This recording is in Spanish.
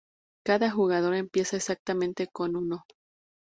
Cada jugador empieza exactamente con uno.